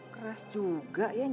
terima kasih ya umi